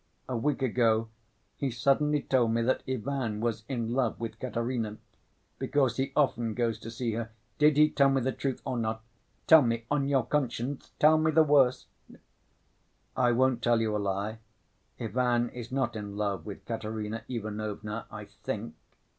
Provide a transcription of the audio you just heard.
A week ago he suddenly told me that Ivan was in love with Katerina, because he often goes to see her. Did he tell me the truth or not? Tell me, on your conscience, tell me the worst." "I won't tell you a lie. Ivan is not in love with Katerina Ivanovna, I think."